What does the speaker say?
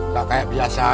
tak kayak biasanya